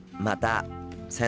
また！